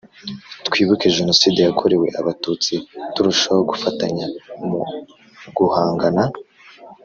Twibuke Jenoside yakorewe Abatutsi turushaho gufatanya mu guhangana